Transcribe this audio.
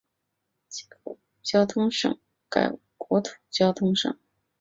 负责的政府机构为国土交通省。